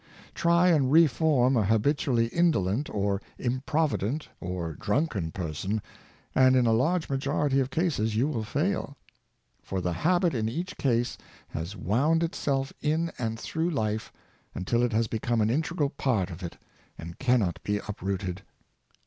Try and reform a habitually indolent, or improvident, or drunken per son, and in a large majority of cases you will fail. For the habit in each case has wound itself in and through life until it has become an integral part of it, and can not be uprooted.